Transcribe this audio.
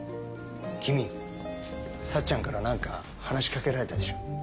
君幸ちゃんから何か話し掛けられたでしょ？